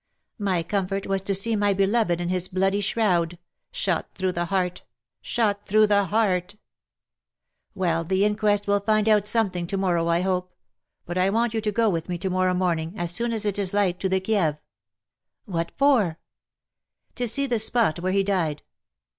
My comfort was to see my beloved in his bloody shroud — shot through the heart — shot through the heart ! Well, the inquest will find out something to morrow, I hope ; but I want you to go with me to morrow morning, as soon as it is light, to the Kieve." " What for r " To see the spot where he died."